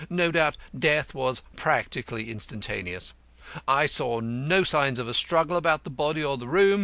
No doubt death was practically instantaneous. I saw no signs of a struggle about the body or the room.